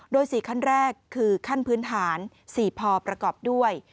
โดย๔ขั้นแรกคือขั้นพื้นฐาน๔พอประกอบด้วย